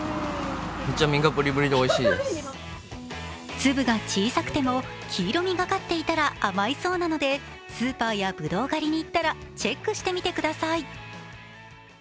粒が小さくても黄色みがかっていたら甘いそうなのでスーパーやぶどう狩りに行ったらチェックしてみてください。